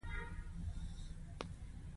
سازمان لاندې ذکر شوي ځانګړي مشخصات لري.